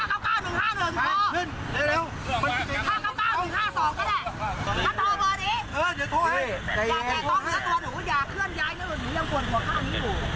อย่าต้องอย่างนั้นตัวหนูอย่าเคลื่อนย้ายเนื้อหนูอย่างส่วนหัวข้างนี้ดู